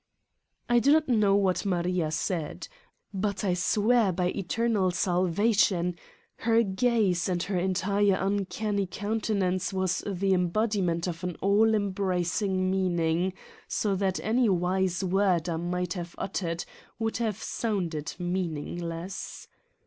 I do not know what Maria said. But I swear by eternal salvation her gaze, and her entire un canny countenance was the embodiment of an all embracing meaning so that any wise word I might have uttered would have sounded meaningless.